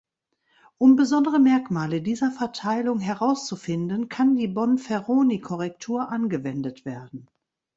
Um besondere Merkmale dieser Verteilung herauszufinden, kann die Bonferroni-Korrektur angewendet werden.